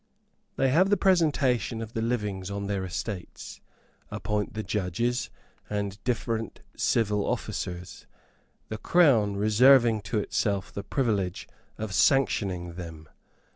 They have the presentation of the livings on their estates, appoint the judges, and different civil officers, the Crown reserving to itself the privilege of sanctioning them.